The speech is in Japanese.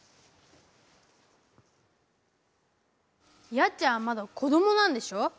やっちゃんはまだ子どもなんでしょ？